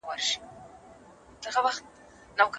کاروونکي خپل انځور پورته کوي.